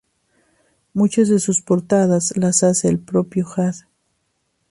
Muchas de sus portadas las hace el propio Jad.